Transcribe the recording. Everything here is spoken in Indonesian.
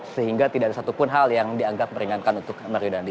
sehingga tidak ada satupun hal yang dianggap meringankan untuk mario dandi